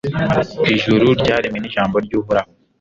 ijuru ryaremwe n'ijambo ry'uhoraho